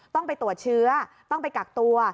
ต้องไปตรวจเชื้อต้องไปกักตัว